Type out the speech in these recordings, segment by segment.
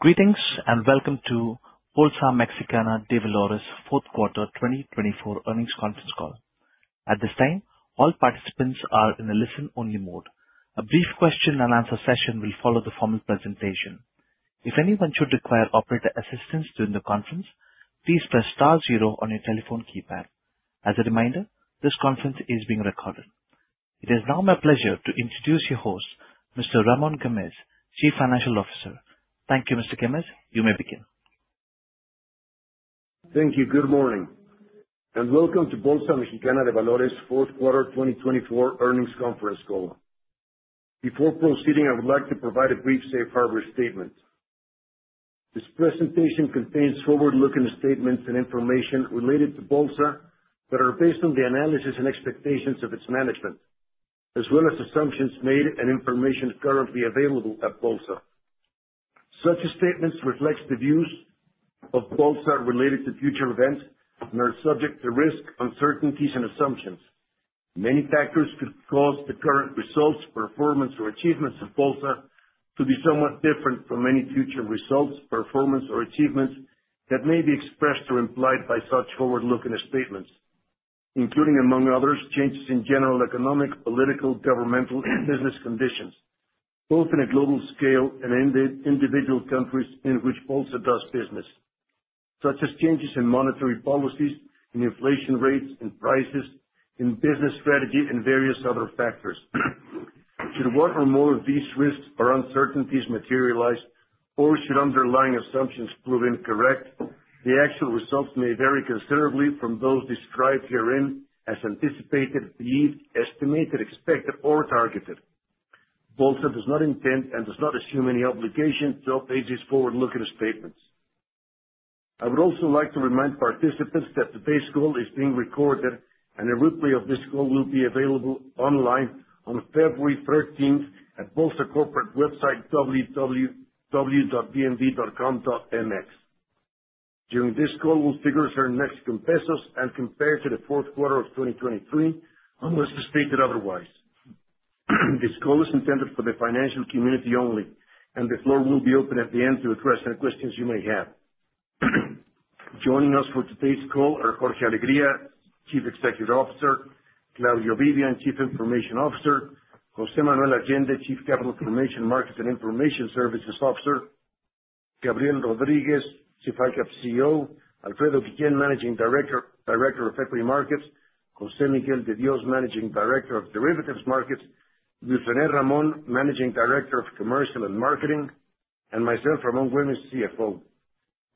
Greetings and welcome to Bolsa Mexicana de Valores Fourth Quarter 2024 Earnings Conference Call. At this time, all participants are in a listen-only mode. A brief question-and-answer session will follow the formal presentation. If anyone should require operator assistance during the conference, please press star zero on your telephone keypad. As a reminder, this conference is being recorded. It is now my pleasure to introduce your host, Mr. Ramón Güémez, Chief Financial Officer. Thank you, Mr. Güémez. You may begin. Thank you. Good morning and welcome to Bolsa Mexicana de Valores Fourth Quarter 2024 Earnings Conference Call. Before proceeding, I would like to provide a brief safe harbor statement. This presentation contains forward-looking statements and information related to Bolsa that are based on the analysis and expectations of its management, as well as assumptions made and information currently available at Bolsa. Such statements reflect the views of Bolsa related to future events and are subject to risk, uncertainties, and assumptions. Many factors could cause the current results, performance, or achievements of Bolsa to be somewhat different from any future results, performance, or achievements that may be expressed or implied by such forward-looking statements, including, among others, changes in general economic, political, governmental, and business conditions, both in a global scale and in the individual countries in which Bolsa does business, such as changes in monetary policies, in inflation rates and prices, in business strategy, and various other factors. Should one or more of these risks or uncertainties materialize, or should underlying assumptions prove incorrect, the actual results may vary considerably from those described herein as anticipated, believed, estimated, expected, or targeted. Bolsa does not intend and does not assume any obligation to update these forward-looking statements. I would also like to remind participants that today's call is being recorded, and a replay of this call will be available online on February 13th at Bolsa corporate website, www.bmv.com.mx. During this call, we'll refer to our results and compare to the fourth quarter of 2023 unless stated otherwise. This call is intended for the financial community only, and the floor will be open at the end to address any questions you may have. Joining us for today's call are Jorge Alegría, Chief Executive Officer; Claudio Vivian, Chief Information Officer; José Manuel Allende, Chief Information, Markets, and Information Services Officer; Gabriel Rodríguez, Chief Executive Officer; Alfredo Guillén, Managing Director of Equity Markets; José Miguel de Dios, Managing Director of Derivatives Markets; Luis René Ramón, Managing Director of Commercial and Marketing; and myself, Ramón Güémez, CFO.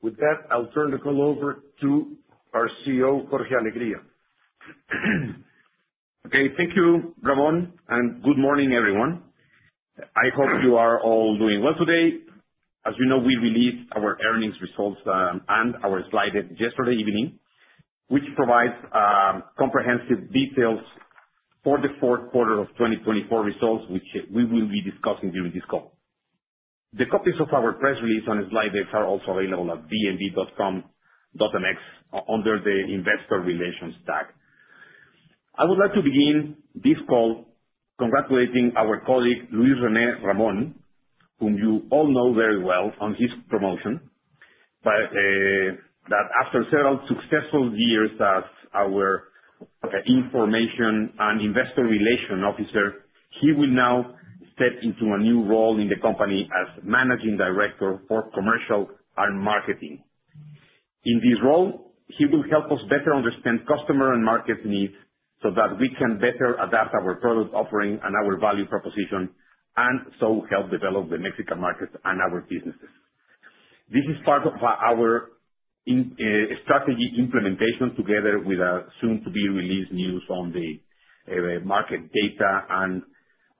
With that, I'll turn the call over to our CEO, Jorge Alegría. Okay, thank you, Ramón, and good morning, everyone. I hope you are all doing well today. As you know, we released our earnings results and our slide yesterday evening, which provides comprehensive details for the fourth quarter of 2024 results, which we will be discussing during this call. The copies of our press release and slide deck are also available at bmv.com.mx under the Investor Relations tab. I would like to begin this call congratulating our colleague, Luis René Ramón, whom you all know very well on his promotion, that after several successful years as our Information and Investor Relations Officer, he will now step into a new role in the company as Managing Director for Commercial and Marketing. In this role, he will help us better understand customer and market needs so that we can better adapt our product offering and our value proposition, and so help develop the Mexican market and our businesses. This is part of our strategy implementation together with the soon-to-be-released news on the market data and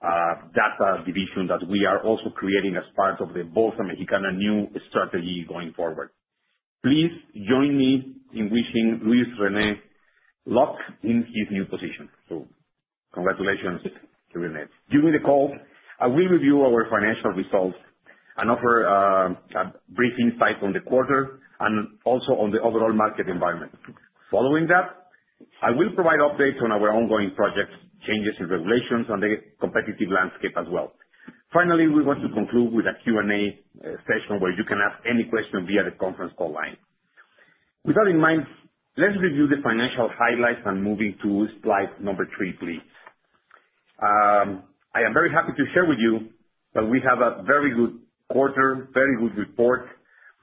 data division that we are also creating as part of the Bolsa Mexicana new strategy going forward. Please join me in wishing Luis René luck in his new position. So congratulations to René. During the call, I will review our financial results and offer brief insight on the quarter and also on the overall market environment. Following that, I will provide updates on our ongoing projects, changes in regulations, and the competitive landscape as well. Finally, we want to conclude with a Q&A session where you can ask any question via the conference call line. With that in mind, let's review the financial highlights and move into slide number three, please. I am very happy to share with you that we have a very good quarter, very good report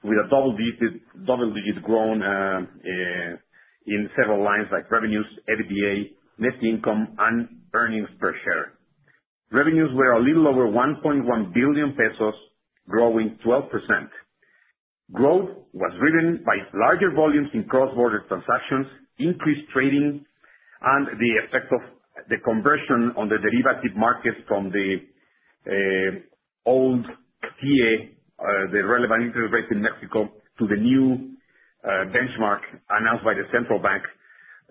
with a double-digit growth in several lines like revenues, EBITDA, net income, and earnings per share. Revenues were a little over 1.1 billion pesos, growing 12%. Growth was driven by larger volumes in cross-border transactions, increased trading, and the effect of the conversion on the derivative markets from the old TIIE, the relevant interest rate in Mexico, to the new benchmark announced by the central bank,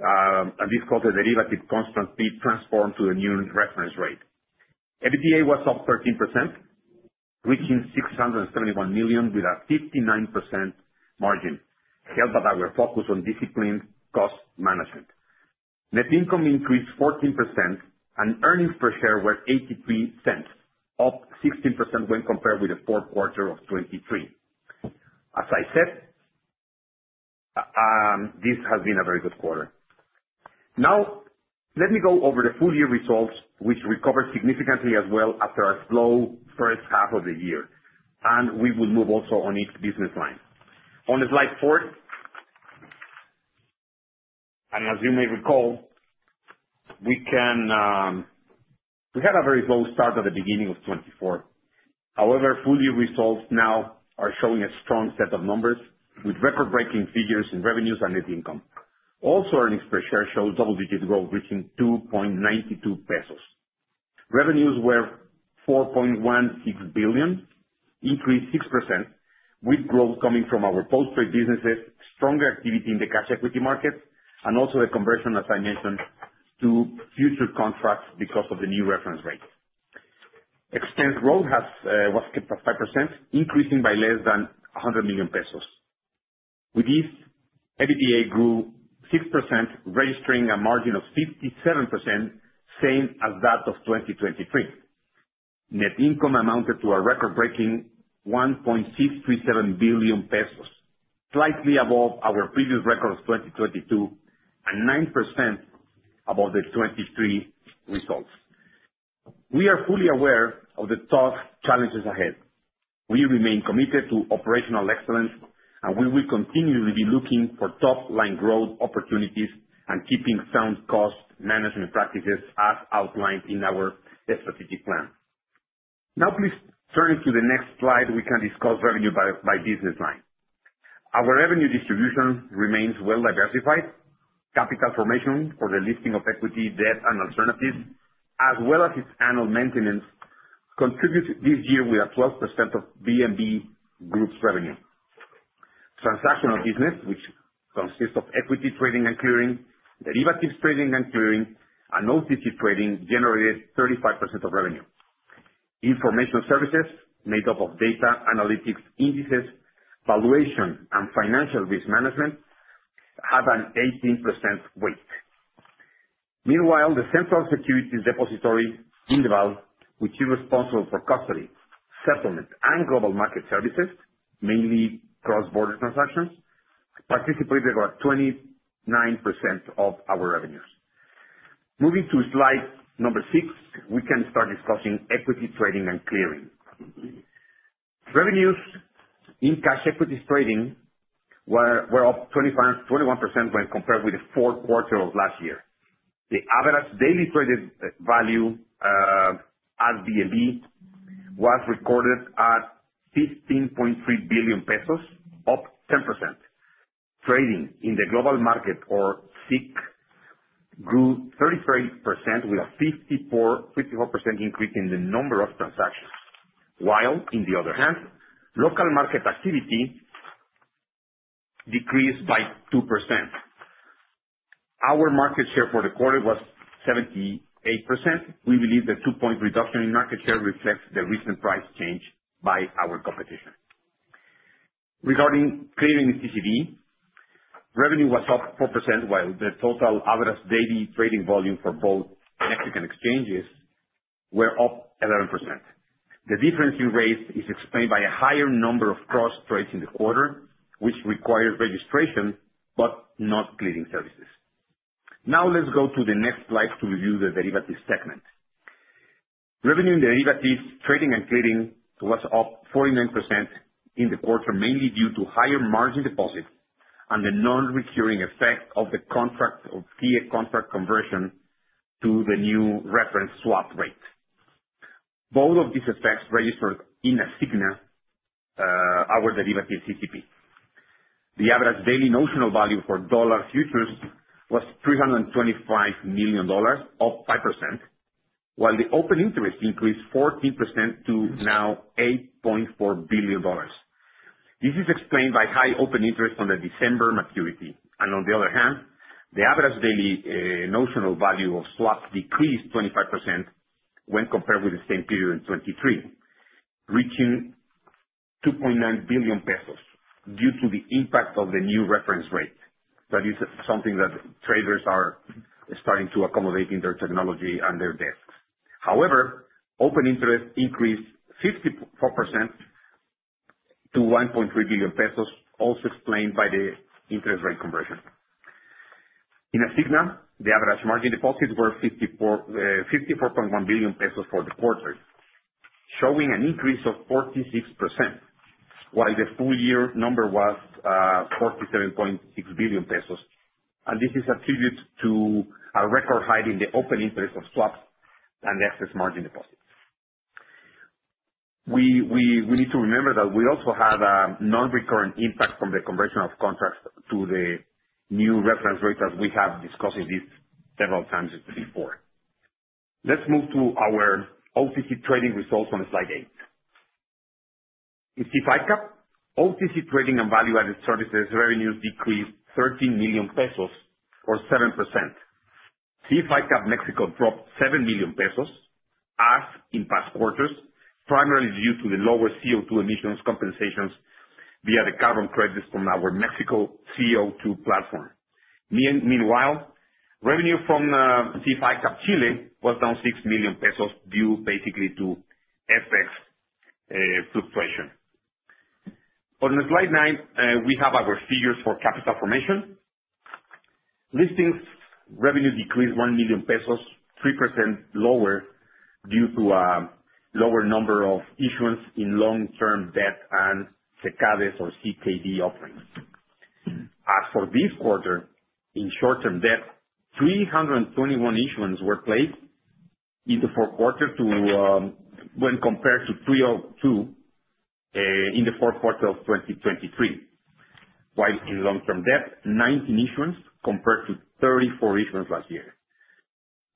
and this caused the derivatives contractually transformed to a new reference rate. EBITDA was up 13%, reaching 671 million with a 59% margin, helped by our focus on disciplined cost management. Net income increased 14%, and earnings per share were $0.83, up 16% when compared with the fourth quarter of 2023. As I said, this has been a very good quarter. Now, let me go over the full year results, which recovered significantly as well after a slow first half of the year, and we will move also on each business line. On slide four, and as you may recall, we had a very slow start at the beginning of 2024. However, full year results now are showing a strong set of numbers with record-breaking figures in revenues and net income. Also, earnings per share showed double-digit growth, reaching 2.92 pesos. Revenues were 4.16 billion, increased 6%, with growth coming from our post-trade businesses, stronger activity in the cash equity markets, and also the conversion, as I mentioned, to future contracts because of the new reference rate. Expense growth was kept at 5%, increasing by less than 100 million pesos. With this, EBITDA grew 6%, registering a margin of 57%, same as that of 2023. Net income amounted to a record-breaking 1.637 billion pesos, slightly above our previous record of 2022 and 9% above the 2023 results. We are fully aware of the tough challenges ahead. We remain committed to operational excellence, and we will continually be looking for top-line growth opportunities and keeping sound cost management practices as outlined in our strategic plan. Now, please turn to the next slide. We can discuss revenue by business line. Our revenue distribution remains well-diversified. Capital formation for the listing of equity, debt, and alternatives, as well as its annual maintenance, contributed this year with a 12% of BMV Group's revenue. Transactional business, which consists of equity trading and clearing, derivatives trading and clearing, and OTC trading, generated 35% of revenue. Information services, made up of data, analytics, indices, valuation, and financial risk management, have an 18% weight. Meanwhile, the central securities depository, Indeval, which is responsible for custody, settlement, and global market services, mainly cross-border transactions, participated with 29% of our revenues. Moving to slide number six, we can start discussing equity trading and clearing. Revenues in cash equities trading were up 21% when compared with the fourth quarter of last year. The average daily traded value at BMV was recorded at 15.3 billion pesos, up 10%. Trading in the global market, or SIC, grew 33%, with a 54% increase in the number of transactions, while, on the other hand, local market activity decreased by 2%. Our market share for the quarter was 78%. We believe the two-point reduction in market share reflects the recent price change by our competition. Regarding clearing and CCP, revenue was up 4%, while the total average daily trading volume for both Mexican exchanges was up 11%. The difference in rates is explained by a higher number of cross-trades in the quarter, which required registration but not clearing services. Now, let's go to the next slide to review the derivatives segment. Revenue in derivatives, trading, and clearing was up 49% in the quarter, mainly due to higher margin deposit and the non-recurring effect of the conversion of TIIE contracts to the new reference swap rate. Both of these effects registered in Asigna, our derivatives CCP. The average daily notional value for dollar futures was $325 million, up 5%, while the open interest increased 14% to now $8.4 billion. This is explained by high open interest on the December maturity. On the other hand, the average daily notional value of swaps decreased 25% when compared with the same period in 2023, reaching 2.9 billion pesos due to the impact of the new reference rate. That is something that traders are starting to accommodate in their technology and their desks. However, open interest increased 54% to 1.3 billion pesos, also explained by the interest rate conversion. In Asigna, the average margin deposits were 54.1 billion pesos for the quarter, showing an increase of 46%, while the full year number was 47.6 billion pesos. This is attributable to a record high in the open interest of swaps and excess margin deposits. We need to remember that we also had a non-recurrent impact from the conversion of contracts to the new reference rate, as we have discussed this several times before. Let's move to our OTC trading results on slide eight. In SIF ICAP, OTC trading and value-added services revenues decreased 13 million pesos, or 7%. SIF ICAP Mexico dropped 7 million pesos, as in past quarters, primarily due to the lower CO2 emissions compensations via the carbon credits from our Mexico CO2 platform. Meanwhile, revenue from SIF ICAP Chile was down 6 million pesos, due basically to FX fluctuation. On slide nine, we have our figures for capital formation. Listings revenue decreased 1 million pesos, 3% lower due to a lower number of issuance in long-term debt and CKDs or CKD offerings. As for this quarter, in short-term debt, 321 issuances were placed in the fourth quarter when compared to 302 in the fourth quarter of 2023, while in long-term debt, 19 issuances compared to 34 issuances last year.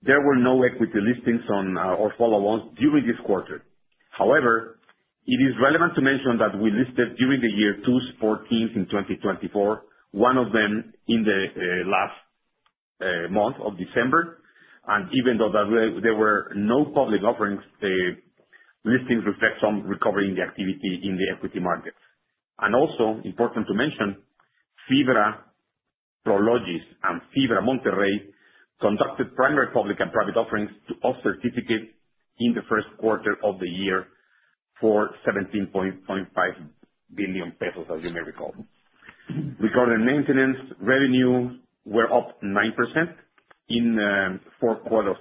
There were no equity listings or follow-ons during this quarter. However, it is relevant to mention that we listed during the year two sports teams in 2024, one of them in the last month of December. Even though there were no public offerings, the listings reflect some recovery in the activity in the equity markets. Important to mention, FIBRA Prologis and FIBRA Monterrey conducted primary public and private offerings to all certificates in the first quarter of the year for 17.5 billion pesos, as you may recall. Regarding maintenance, revenues were up 9% in the fourth quarter of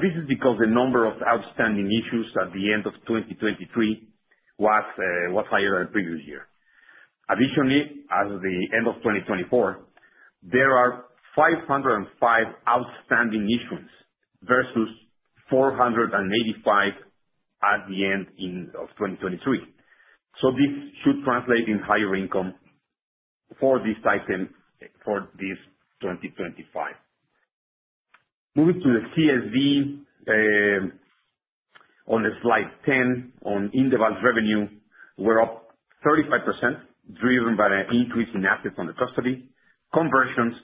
2024. This is because the number of outstanding issues at the end of 2023 was higher than the previous year. Additionally, as of the end of 2024, there are 505 outstanding issuance versus 485 at the end of 2023. This should translate in higher income for this 2025. Moving to the CSD on slide 10, on Indeval's revenue were up 35%, driven by an increase in assets under custody, conversions,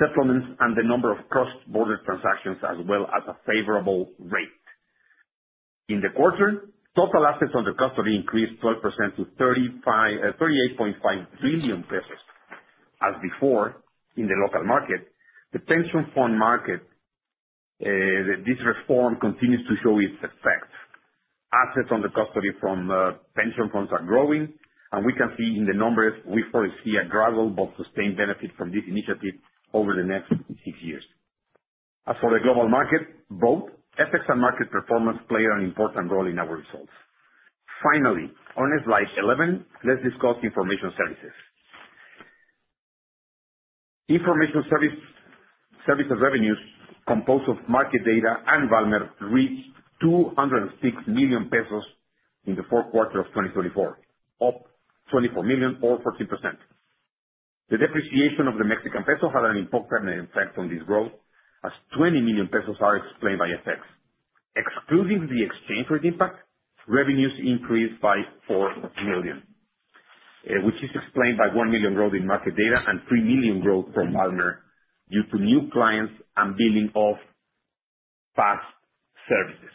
settlements, and the number of cross-border transactions, as well as a favorable rate. In the quarter, total assets under custody increased 12% to 38.5 billion pesos. As before in the local market, the pension fund market, this reform continues to show its effect. Assets under custody from pension funds are growing, and we can see in the numbers, we foresee a gradual but sustained benefit from this initiative over the next six years. As for the global market, both FX and market performance play an important role in our results. Finally, on slide 11, let's discuss information services. Information services revenues, composed of market data and Valmer, reached 206 million pesos in the fourth quarter of 2024, up 24 million or 14%. The depreciation of the Mexican peso had an impact on this growth, as 20 million pesos are explained by FX. Excluding the exchange rate impact, revenues increased by four million, which is explained by one million growth in market data and three million growth from Valmer due to new clients and billing of past services.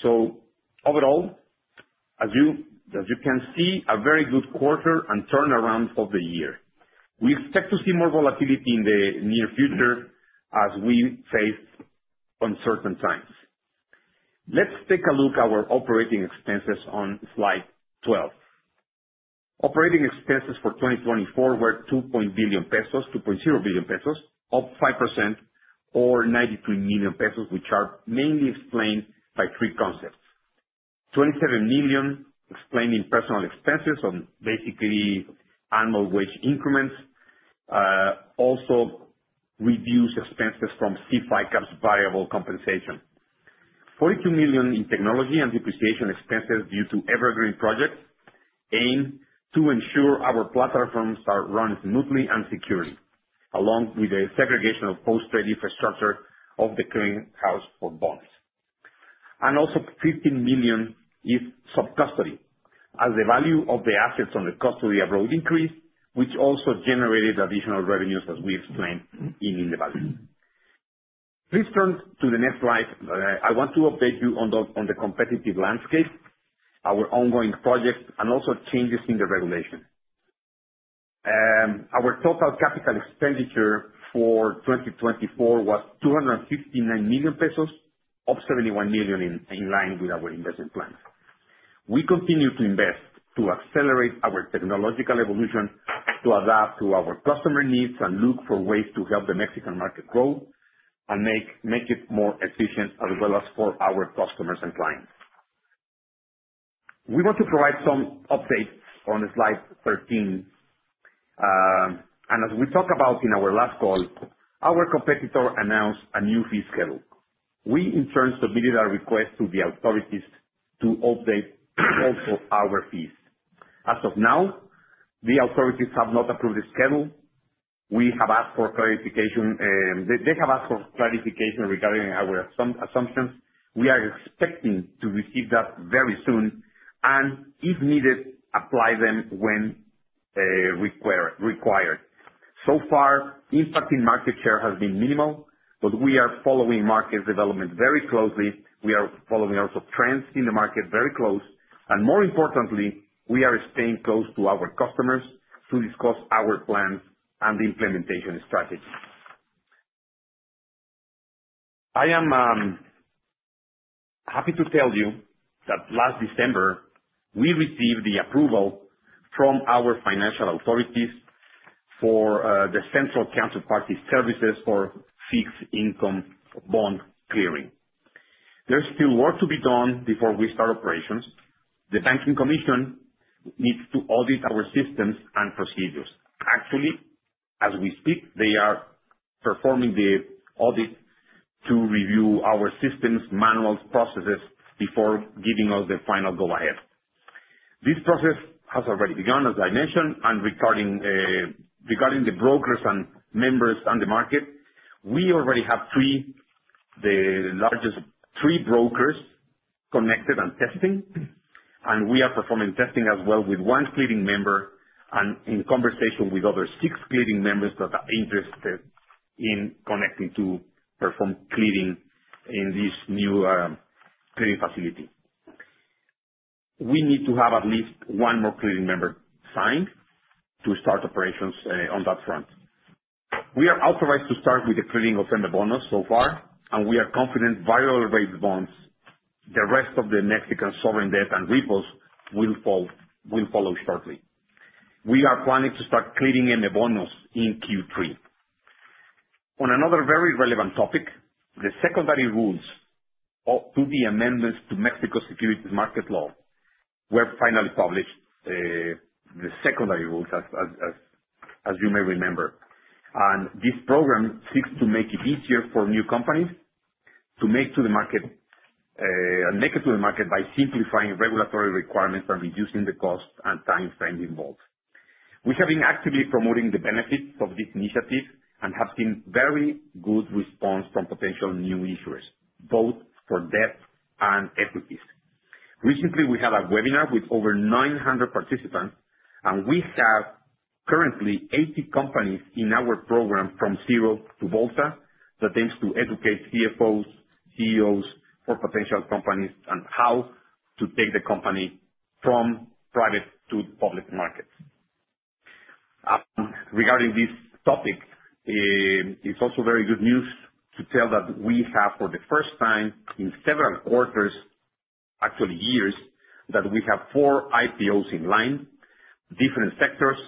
So overall, as you can see, a very good quarter and turnaround of the year. We expect to see more volatility in the near future as we face uncertain times. Let's take a look at our operating expenses on slide 12. Operating expenses for 2024 were 2.0 billion pesos, up 5%, or 93 million pesos, which are mainly explained by three concepts. 27 million explained in personal expenses on basically annual wage increments, also reduced expenses from SIF ICAP's variable compensation. 42 million in technology and depreciation expenses due to evergreen projects aim to ensure our platforms are run smoothly and securely, along with the segregation of post-trade infrastructure of the clearing house for bonds. And also, 15 million is sub-custody, as the value of the assets on the custody abroad increased, which also generated additional revenues, as we explained in Indeval. Please turn to the next slide. I want to update you on the competitive landscape, our ongoing projects, and also changes in the regulation. Our total capital expenditure for 2024 was 259 million pesos, up 71 million in line with our investment plan. We continue to invest to accelerate our technological evolution, to adapt to our customer needs, and look for ways to help the Mexican market grow and make it more efficient, as well as for our customers and clients. We want to provide some updates on slide 13, and as we talked about in our last call, our competitor announced a new fee schedule. We, in turn, submitted our request to the authorities to update also our fees. As of now, the authorities have not approved the schedule. We have asked for clarification. They have asked for clarification regarding our assumptions. We are expecting to receive that very soon and, if needed, apply them when required. So far, impact in market share has been minimal, but we are following market developments very closely. We are following also trends in the market very closely. More importantly, we are staying close to our customers to discuss our plans and the implementation strategy. I am happy to tell you that last December, we received the approval from our financial authorities for the central counterparty services for fixed income bond clearing. There's still work to be done before we start operations. The banking commission needs to audit our systems and procedures. Actually, as we speak, they are performing the audit to review our systems, manuals, processes before giving us the final go-ahead. This process has already begun, as I mentioned. Regarding the brokers and members and the market, we already have three brokers connected and testing, and we are performing testing as well with one clearing member and in conversation with other six clearing members that are interested in connecting to perform clearing in this new clearing facility. We need to have at least one more clearing member signed to start operations on that front. We are authorized to start with the clearing of M Bonos so far, and we are confident variable rate bonds, the rest of the Mexican sovereign debt and repos, will follow shortly. We are planning to start clearing M Bonos in Q3. On another very relevant topic, the secondary rules to the amendments to Mexico Securities Market Law were finally published, the secondary rules, as you may remember. And this program seeks to make it easier for new companies to make to the market and make it to the market by simplifying regulatory requirements and reducing the cost and time spent involved. We have been actively promoting the benefits of this initiative and have seen very good response from potential new issuers, both for debt and equities. Recently, we had a webinar with over 900 participants, and we have currently 80 companies in our program from De Cero a Bolsa that aims to educate CFOs, CEOs for potential companies and how to take the company from private to public markets. Regarding this topic, it's also very good news to tell that we have, for the first time in several quarters, actually years, that we have four IPOs in line, different sectors,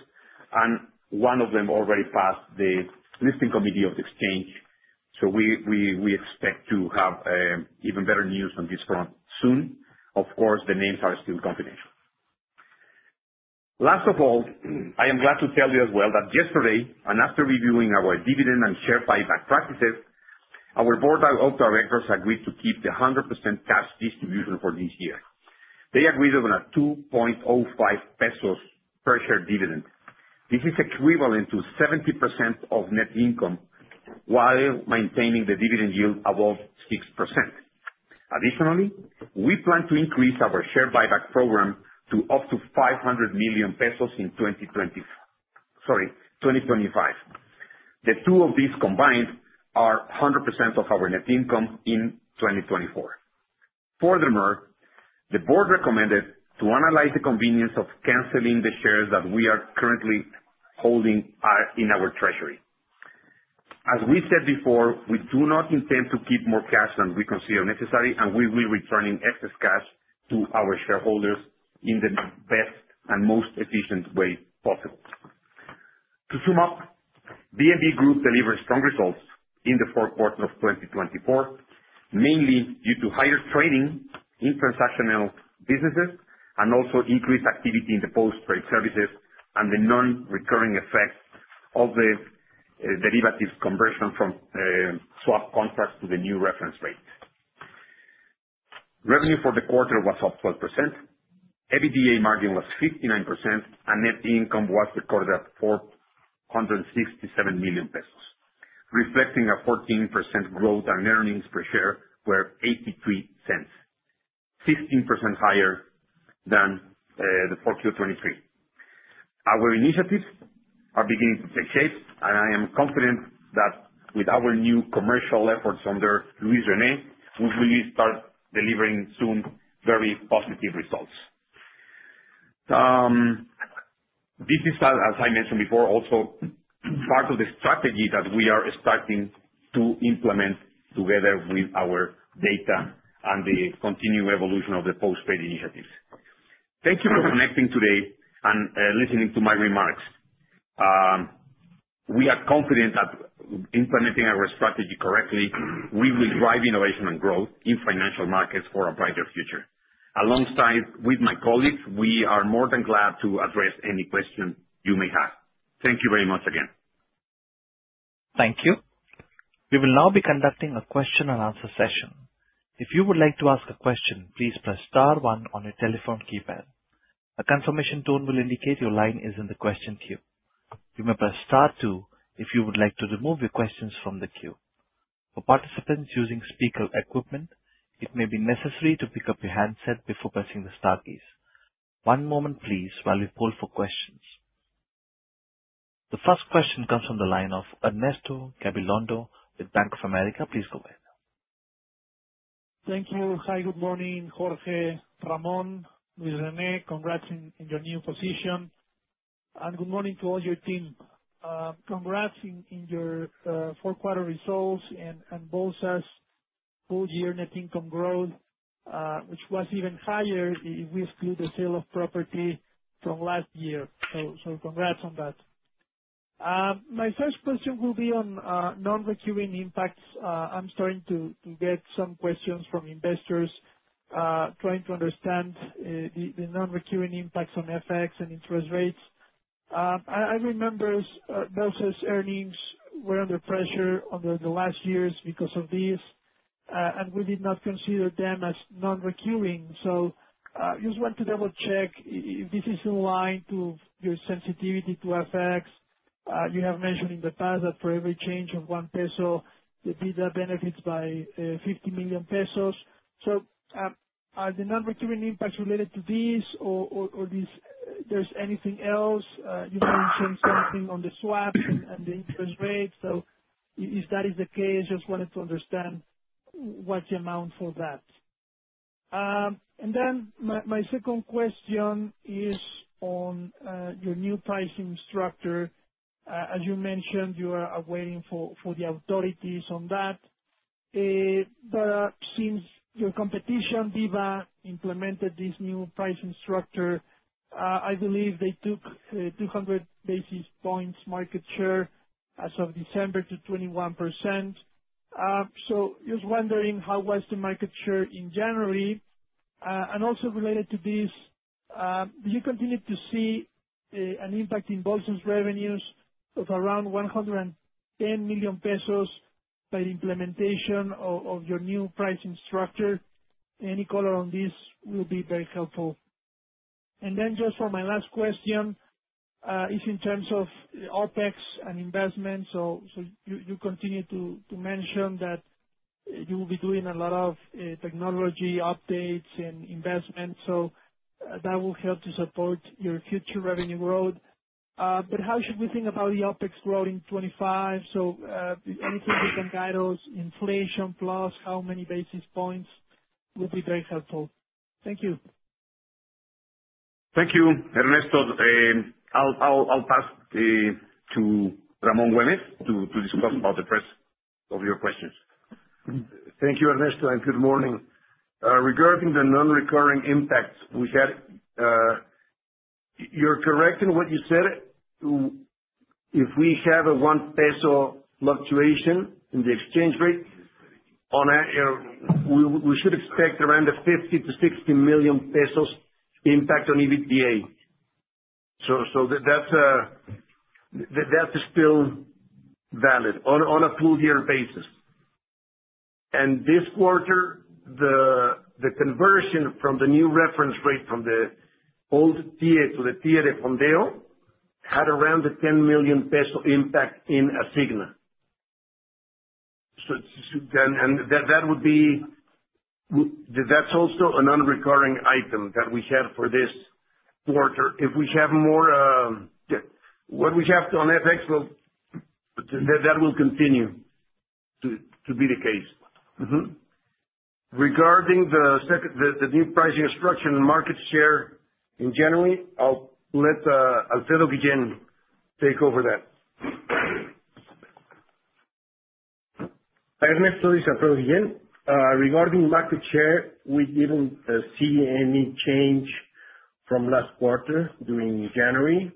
and one of them already passed the listing committee of the exchange, so we expect to have even better news on this front soon. Of course, the names are still confidential. Last of all, I am glad to tell you as well that yesterday, and after reviewing our dividend and share buyback practices, our board of directors agreed to keep the 100% cash distribution for this year. They agreed on a 2.05 pesos per share dividend. This is equivalent to 70% of net income while maintaining the dividend yield above 6%. Additionally, we plan to increase our share buyback program to up to 500 million pesos in 2025. The two of these combined are 100% of our net income in 2024. Furthermore, the board recommended to analyze the convenience of canceling the shares that we are currently holding in our treasury. As we said before, we do not intend to keep more cash than we consider necessary, and we will return excess cash to our shareholders in the best and most efficient way possible. To sum up, BMV Group delivered strong results in the fourth quarter of 2024, mainly due to higher trading in transactional businesses and also increased activity in the post-trade services and the non-recurring effects of the derivatives conversion from swap contracts to the new reference rate. Revenue for the quarter was up 12%. EBITDA margin was 59%, and net income was recorded at 467 million pesos, reflecting a 14% growth and earnings per share were 0.83, 15% higher than the fourth quarter 2023. Our initiatives are beginning to take shape, and I am confident that with our new commercial efforts under Luis René, we will start delivering soon very positive results. This is, as I mentioned before, also part of the strategy that we are starting to implement together with our data and the continued evolution of the post-trade initiatives. Thank you for connecting today and listening to my remarks. We are confident that implementing our strategy correctly, we will drive innovation and growth in financial markets for a brighter future. Alongside with my colleagues, we are more than glad to address any question you may have. Thank you very much again. Thank you. We will now be conducting a question and answer session. If you would like to ask a question, please press star one on your telephone keypad. A confirmation tone will indicate your line is in the question queue. You may press star two if you would like to remove your questions from the queue. For participants using speaker equipment, it may be necessary to pick up your handset before pressing the Star keys. One moment, please, while we poll for questions. The first question comes from the line of Ernesto Gabilondo with Bank of America. Please go ahead. Thank you. Hi, good morning, Jorge, Ramón, Luis René. Congrats in your new position. Good morning to all your team. Congrats on your fourth quarter results and Bolsa’s full-year net income growth, which was even higher if we exclude the sale of property from last year. Congrats on that. My first question will be on non-recurring impacts. I'm starting to get some questions from investors trying to understand the non-recurring impacts on FX and interest rates. I remember Bolsa's earnings were under pressure over the last years because of this, and we did not consider them as non-recurring. So I just want to double-check if this is in line to your sensitivity to FX. You have mentioned in the past that for every change of one peso, the dividend benefits by 50 million pesos. So are the non-recurring impacts related to this, or there's anything else? You mentioned something on the swap and the interest rate. So if that is the case, just wanted to understand what's the amount for that. And then my second question is on your new pricing structure. As you mentioned, you are awaiting for the authorities on that. But since your competition, BIVA, implemented this new pricing structure, I believe they took 200 basis points market share as of December to 21%. So just wondering how was the market share in January. And also related to this, do you continue to see an impact in Bolsa's revenues of around 110 million pesos by the implementation of your new pricing structure? Any color on this will be very helpful. And then just for my last question, it's in terms of OpEx and investment. So you continue to mention that you will be doing a lot of technology updates and investments. So that will help to support your future revenue growth. But how should we think about the OpEx growth in 2025? So anything you can guide us, inflation plus, how many basis points would be very helpful? Thank you. Thank you, Ernesto. I'll pass to Ramón Güémez to discuss about the rest of your questions. Thank you, Ernesto, and good morning. Regarding the non-recurring impacts, you're correct in what you said. If we have a 1 peso fluctuation in the exchange rate, we should expect around 50-60 million pesos impact on EBITDA. So that's still valid on a full-year basis. And this quarter, the conversion from the new reference rate from the old TIIE to the TIIE de Fondeo had around a 10 million peso impact in Asigna. And that would be that's also a non-recurring item that we have for this quarter. If we have more what we have on FX, that will continue to be the case. Regarding the new pricing instruction and market share in January, I'll let Alfredo Guillén take over that. Ernesto is Alfredo Guillén. Regarding market share, we didn't see any change from last quarter during January,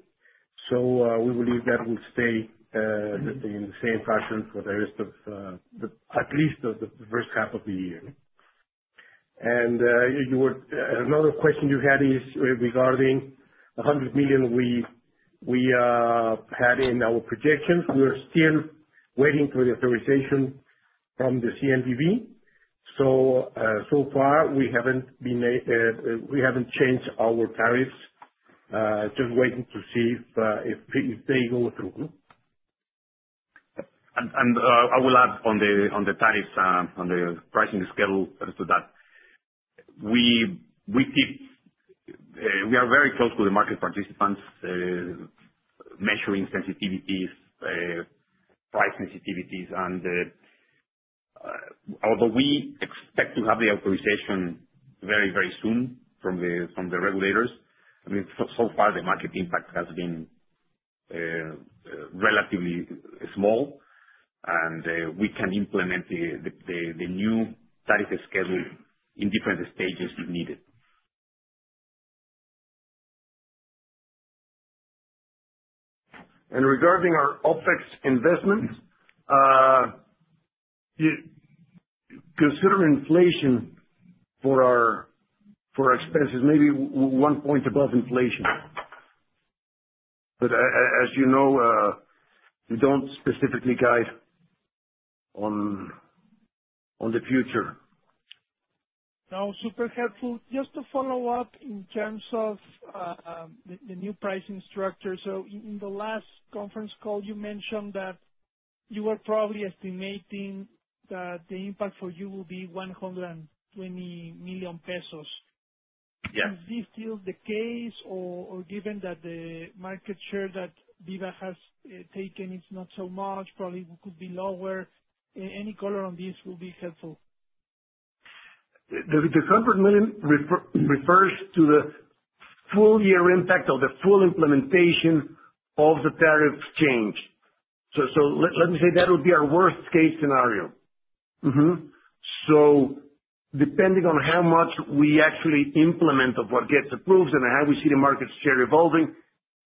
so we believe that will stay in the same fashion for the rest of at least the first half of the year. Another question you had is regarding 100 million we had in our projections. We are still waiting for the authorization from the CNBV. So far, we haven't changed our tariffs. Just waiting to see if they go through. I will add on the tariffs and the pricing schedule to that. We are very close to the market participants, measuring sensitivities, price sensitivities. Although we expect to have the authorization very, very soon from the regulators, so far, the market impact has been relatively small, and we can implement the new tariff schedule in different stages if needed. Regarding our OpEx investment, consider inflation for our expenses, maybe one point above inflation. But as you know, we don't specifically guide on the future. That was super helpful. Just to follow up in terms of the new pricing structure. So in the last conference call, you mentioned that you were probably estimating that the impact for you will be 120 million pesos. Is this still the case? Or given that the market share that BIVA has taken is not so much, probably could be lower, any color on this will be helpful. The 100 million refers to the full-year impact of the full implementation of the tariff change. So let me say that would be our worst-case scenario. So depending on how much we actually implement of what gets approved and how we see the market share evolving,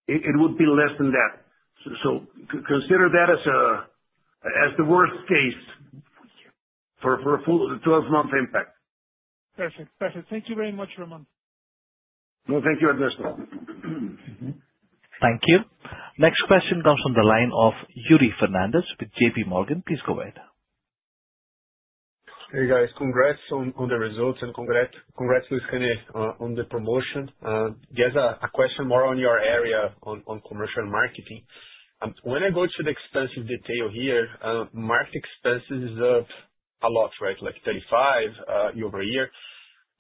it would be less than that. So consider that as the worst case for a full 12-month impact. Perfect. Perfect. Thank you very much, Ramón. Well, thank you, Ernesto. Thank you. Next question comes from the line of Yuri Fernandes with JPMorgan. Please go ahead. Hey, guys. Congrats on the results and congrats to Luis René on the promotion. There's a question more on your area on commercial marketing. When I go to the expense detail here, market expenses is up a lot, right? Like 35 over a year.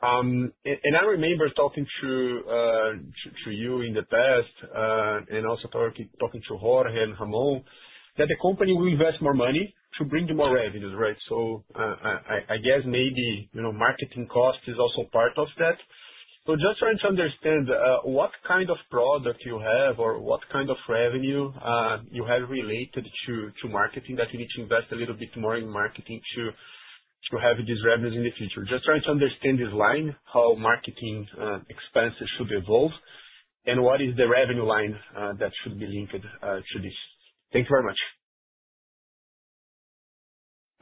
And I remember talking to you in the past and also talking to Jorge and Ramón that the company will invest more money to bring you more revenues, right? So I guess maybe marketing cost is also part of that. So just trying to understand what kind of product you have or what kind of revenue you have related to marketing that you need to invest a little bit more in marketing to have these revenues in the future. Just trying to understand this line, how marketing expenses should evolve, and what is the revenue line that should be linked to this. Thank you very much.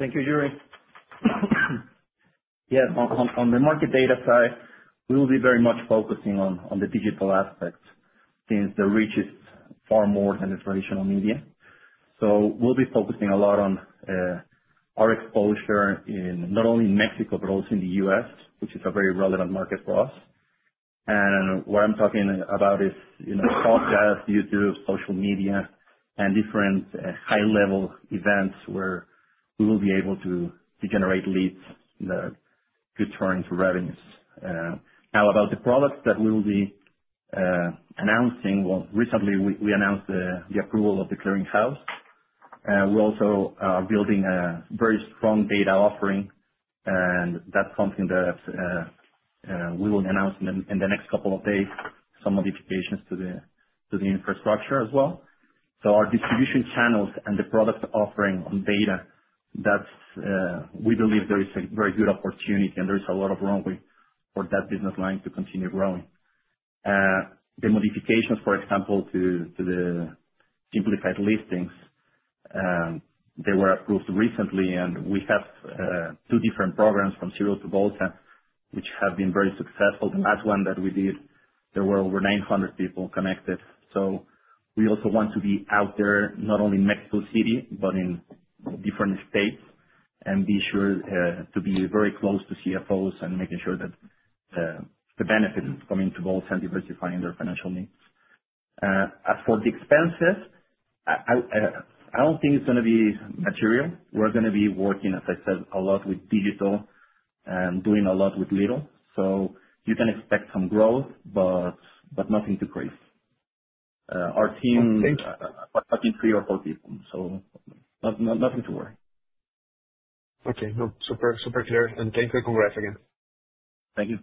Thank you, Yuri. Yeah, on the market data side, we will be very much focusing on the digital aspect since the reach is far more than the traditional media. So we'll be focusing a lot on our exposure not only in Mexico but also in the U.S., which is a very relevant market for us. And what I'm talking about is podcasts, YouTube, social media, and different high-level events where we will be able to generate leads that could turn into revenues. Now, about the products that we will be announcing, well, recently we announced the approval of the clearinghouse. We also are building a very strong data offering, and that's something that we will announce in the next couple of days, some modifications to the infrastructure as well. Our distribution channels and the product offering on data, we believe there is a very good opportunity and there is a lot of room for that business line to continue growing. The modifications, for example, to the simplified listings, they were approved recently, and we have two different programs from De Cero a Bolsa, which have been very successful. The last one that we did, there were over 900 people connected. We also want to be out there not only in Mexico City but in different states and be sure to be very close to CFOs and making sure that the benefits come into Bolsa and diversifying their financial needs. As for the expenses, I don't think it's going to be material. We're going to be working, as I said, a lot with digital and doing a lot with little. So you can expect some growth, but nothing too crazy. Our team is talking three or four people, so nothing to worry. Okay. No, super clear. And thank you. Congrats again. Thank you.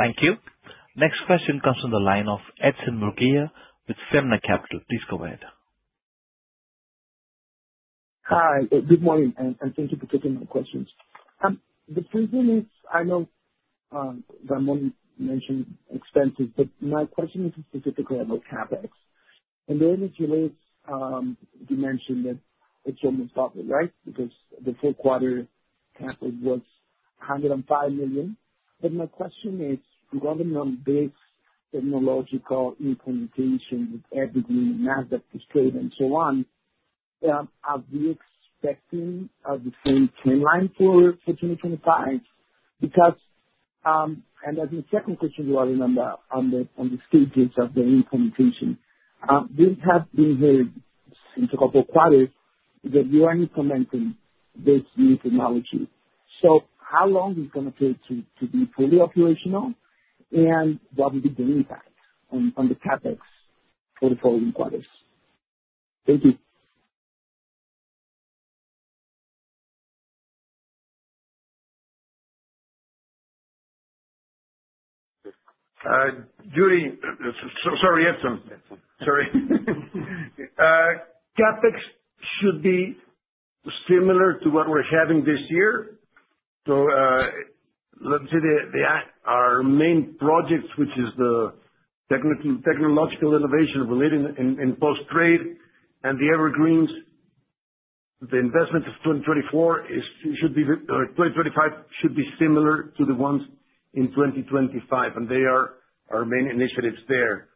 Thank you. Next question comes from the line of Edson Murguía with Suma Capital. Please go ahead. Hi, good morning, and thank you for taking my questions. The question is, I know Ramón mentioned expenses, but my question is specifically about CapEx. In the early few days, you mentioned that it's almost doubled, right? Because the full quarter CapEx was 105 million. But my question is, regarding on this technological implementation with everything, Nasdaq to scale and so on, are we expecting the same trend line for 2025? And then the second question regarding on the stages of the implementation, we have been hearing since a couple of quarters that you are implementing this new technology. So how long is it going to take to be fully operational, and what will be the impact on the CapEx for the following quarters? Thank you. Yuri. Sorry, Edson. Sorry. CapEx should be similar to what we're having this year. So let's say our main projects, which is the technological innovation relating in post-trade and the evergreens, the investment of 2024 should be 2025 should be similar to the ones in 2025, and they are our main initiatives there.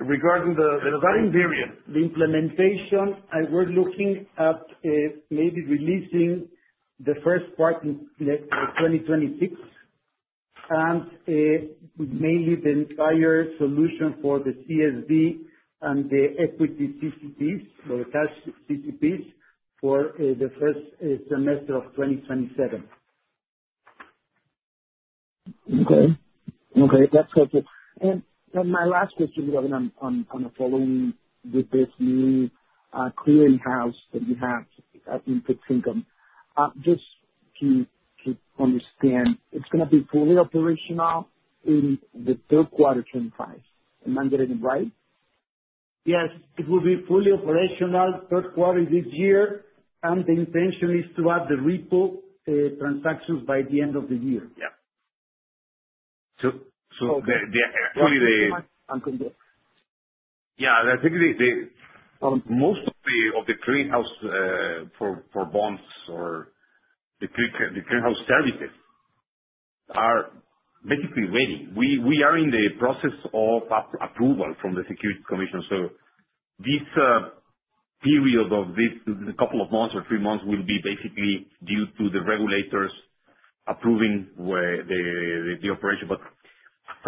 Regarding the Valmer, the implementation, we're looking at maybe releasing the first part in 2026, and mainly the entire solution for the CSD and the equity CCPs, or the cash CCPs, for the first semester of 2027. Okay. Okay. That's helpful. And my last question regarding the following with this new clearinghouse that you have in fixed income. Just to understand, it's going to be fully operational in the third quarter 2025. Am I getting it right? Yes. It will be fully operational third quarter this year, and the intention is to add the repo transactions by the end of the year. Yeah. So. I think most of the clearinghouse for bonds or the clearinghouse services are basically ready. We are in the process of approval from the Securities Commission. So this period of a couple of months or three months will be basically due to the regulators approving the operation.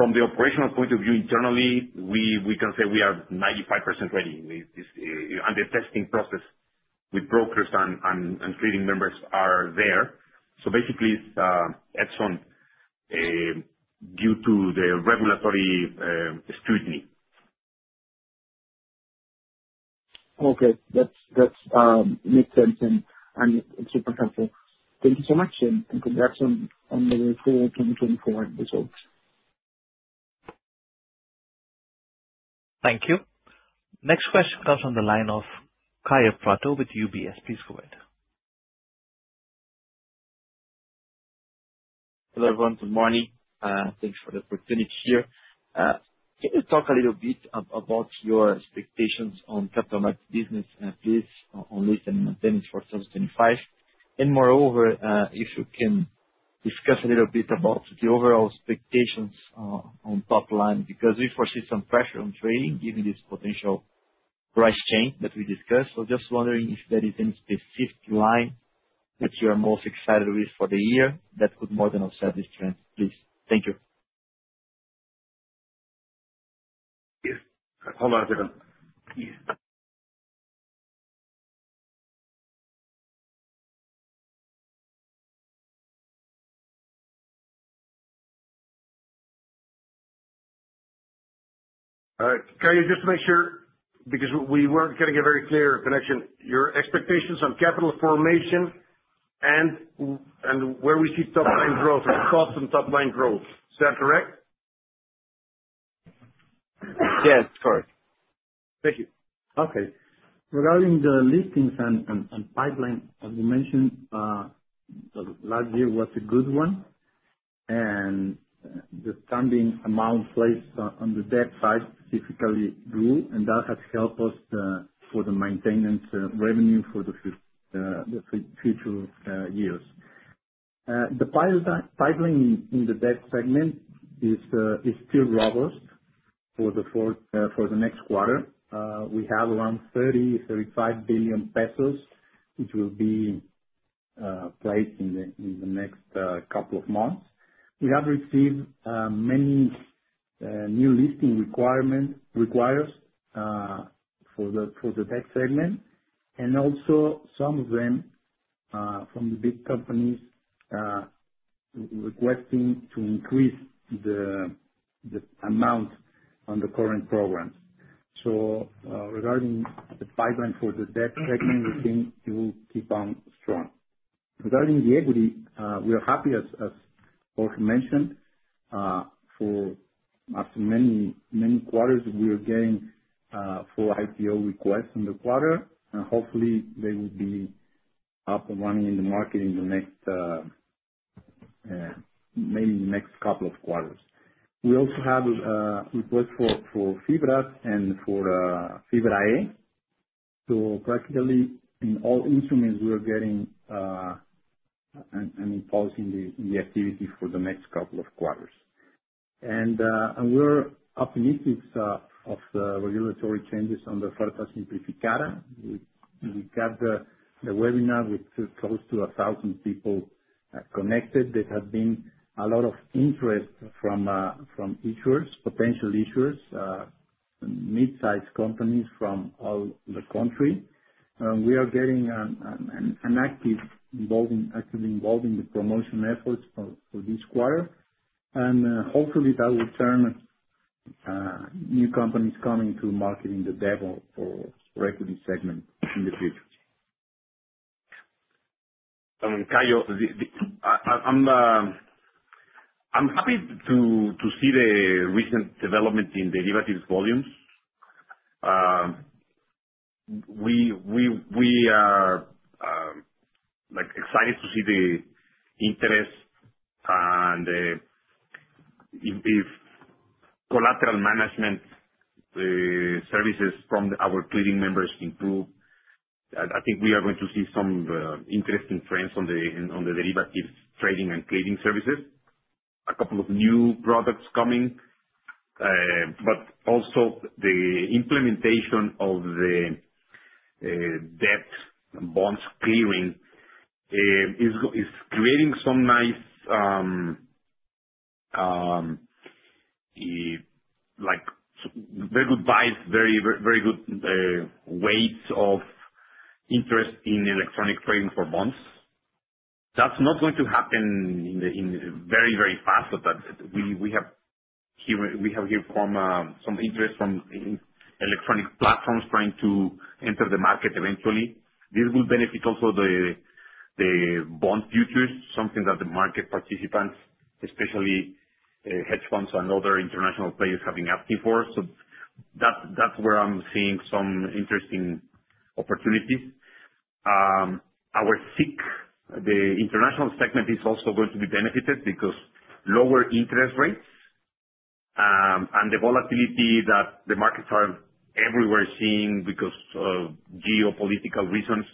But from the operational point of view, internally, we can say we are 95% ready. And the testing process with brokers and trading members are there. So basically, Edson, due to the regulatory scrutiny. Okay. That makes sense, and it's super helpful. Thank you so much, and congrats on the full 2024 results. Thank you. Next question comes from the line of Kaio Prato with UBS. Please go ahead. Hello, everyone. Good morning. Thanks for the opportunity here. Can you talk a little bit about your expectations on capital market business, please, on this and maintaining for 2025? Moreover, if you can discuss a little bit about the overall expectations on top-line, because we foresee some pressure on trading given this potential price change that we discussed. Just wondering if there is any specific line that you are most excited with for the year that could more than offset this trend, please. Thank you. Yes. Hold on a second. All right. Kaio, just to make sure, because we weren't getting a very clear connection, your expectations on capital formation and where we see top-line growth or costs on top-line growth. Is that correct? Yes. Correct. Thank you. Okay. Regarding the listings and pipeline, as you mentioned, last year was a good one. The funding amount placed on the debt side specifically grew, and that has helped us for the maintenance revenue for the future years. The pipeline in the debt segment is still robust for the next quarter. We have around 30 billion-35 billion pesos, which will be placed in the next couple of months. We have received many new listing requirements for the debt segment, and also some of them from the big companies requesting to increase the amount on the current programs, so regarding the pipeline for the debt segment, we think it will keep on strong. Regarding the equity, we are happy, as Jorge mentioned, for after many quarters, we are getting full IPO requests in the quarter, and hopefully, they will be up and running in the market in maybe the next couple of quarters. We also have requests for FIBRAs and for FIBRA-E, so practically, in all instruments, we are getting and imposing the activity for the next couple of quarters. We're optimistic of the regulatory changes on the Fibra Simplificada. We got the webinar with close to 1,000 people connected. There has been a lot of interest from potential issuers, midsize companies from all the country. We are getting actively involved in the promotion efforts for this quarter. Hopefully, that will turn new companies coming to market in the demo for equity segment in the future. Kaio, I'm happy to see the recent development in derivatives volumes. We are excited to see the interest and if collateral management services from our clearing members improve. I think we are going to see some interesting trends on the derivatives trading and clearing services, a couple of new products coming, but also the implementation of the debt bonds clearing is creating some nice very good buzz, very good wave of interest in electronic trading for bonds. That's not going to happen in very, very fast, but we have here some interest from electronic platforms trying to enter the market eventually. This will benefit also the bond futures, something that the market participants, especially hedge funds and other international players, have been asking for. So that's where I'm seeing some interesting opportunities. Our SIC, the international segment, is also going to be benefited because lower interest rates and the volatility that the markets are everywhere seeing because of geopolitical reasons,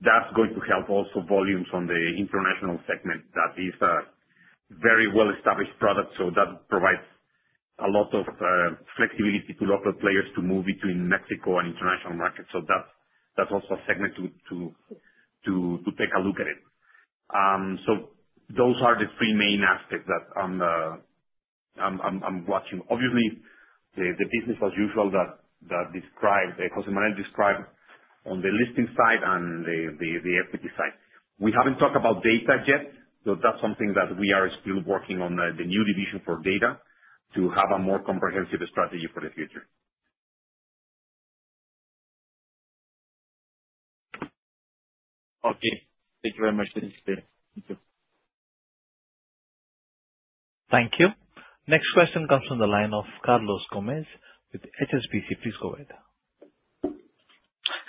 that's going to help also volumes on the international segment. That is a very well-established product, so that provides a lot of flexibility to local players to move between Mexico and international markets. So that's also a segment to take a look at it. So those are the three main aspects that I'm watching. Obviously, the business as usual that José Manuel described on the listing side and the equity side. We haven't talked about data yet, but that's something that we are still working on, the new division for data, to have a more comprehensive strategy for the future. Okay. Thank you very much. Thank you. Thank you. Next question comes from the line of Carlos Gómez with HSBC. Please go ahead.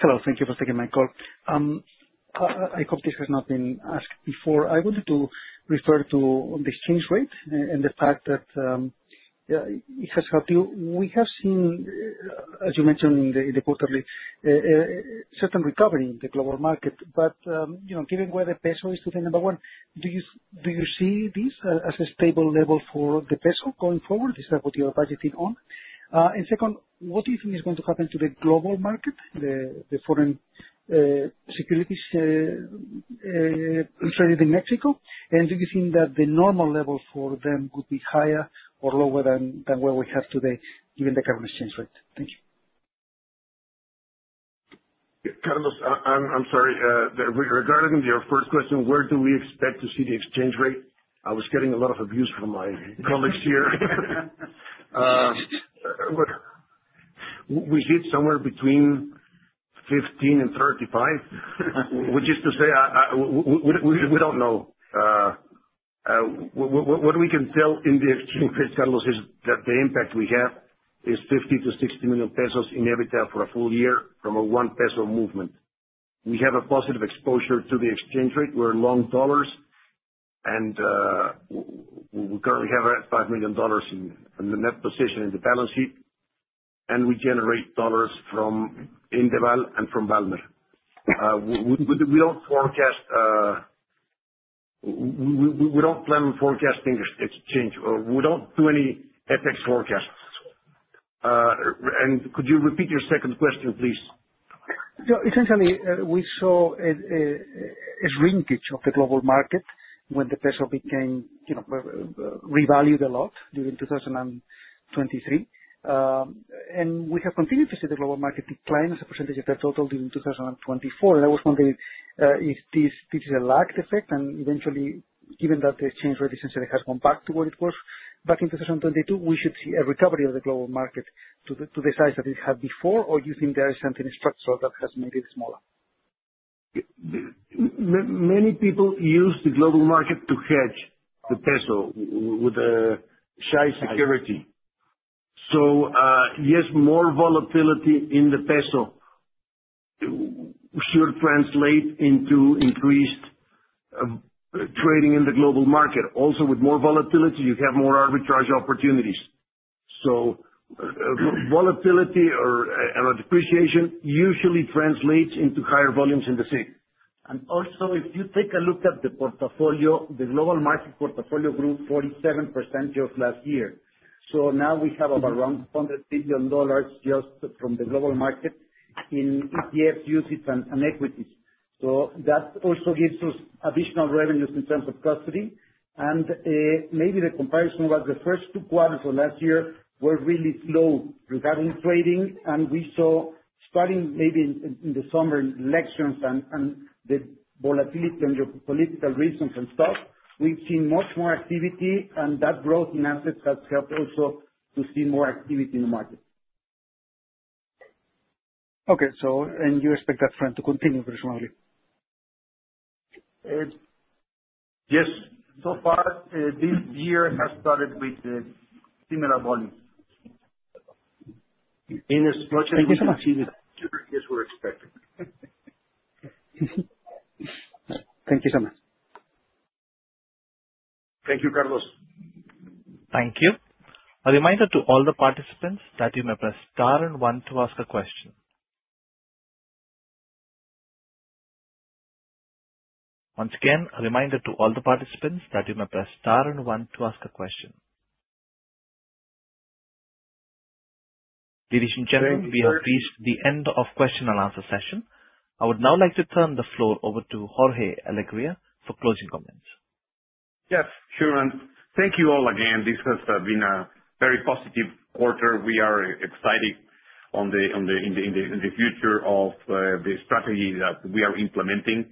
Hello. Thank you for taking my call. I hope this has not been asked before. I wanted to refer to the exchange rate and the fact that it has helped you. We have seen, as you mentioned in the quarterly, certain recovery in the global market. But given where the peso is today, number one, do you see this as a stable level for the peso going forward? Is that what you are budgeting on? Second, what do you think is going to happen to the Global Market, the foreign securities traded in Mexico? And do you think that the normal level for them would be higher or lower than where we have today, given the current exchange rate? Thank you. Carlos, I'm sorry. Regarding your first question, where do we expect to see the exchange rate? I was getting a lot of abuse from my colleagues here. We sit somewhere between 15 and 35, which is to say we don't know. What we can tell in the exchange rate, Carlos, is that the impact we have is 50 million-60 million pesos in EBITDA for a full year from a one-peso movement. We have a positive exposure to the exchange rate. We're long dollars, and we currently have $5 million in the net position in the balance sheet, and we generate dollars from Indeval and from Valmer. We don't forecast. We don't plan on forecasting exchange. We don't do any FX forecasts. And could you repeat your second question, please? Essentially, we saw a shrinkage of the global market when the peso became revalued a lot during 2023. And we have continued to see the global market decline as a percentage of their total during 2024. And that was one of the, if this is a lagged effect, and eventually, given that the exchange rate essentially has gone back to what it was back in 2022, we should see a recovery of the global market to the size that it had before, or do you think there is something structural that has made it smaller? Many people use the Global Market to hedge the peso with an equity security. So yes, more volatility in the peso should translate into increased trading in the Global Market. Also, with more volatility, you have more arbitrage opportunities. So volatility or depreciation usually translates into higher volumes in the SIC. And also, if you take a look at the portfolio, the Global Market portfolio grew 47% just last year. So now we have about around $200 million just from the Global Market in ETFs, USDs, and equities. So that also gives us additional revenues in terms of custody. And maybe the comparison was the first two quarters of last year were really slow regarding trading, and we saw, starting maybe in the summer elections and the volatility and the political reasons and stuff, we've seen much more activity, and that growth in assets has helped also to see more activity in the market. Okay. And you expect that trend to continue very strongly? Yes. So far, this year has started with similar volumes. In a structured position, yes, we're expecting. Thank you so much. Thank you, Carlos. Thank you. A reminder to all the participants that you may press star and one to ask a question. Once again, a reminder to all the participants that you may press star and one to ask a question. Ladies and gentlemen, we have reached the end of the question and answer session. I would now like to turn the floor over to Jorge Alegría for closing comments. Yes. Sure. And thank you all again. This has been a very positive quarter. We are excited in the future of the strategy that we are implementing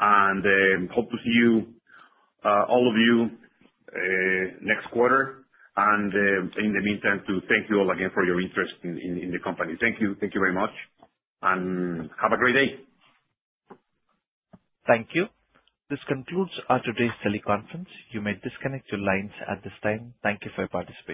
and hope to see all of you next quarter. And in the meantime, to thank you all again for your interest in the company. Thank you. Thank you very much and have a great day. Thank you. This concludes our today's teleconference. You may disconnect your lines at this time. Thank you for your participation.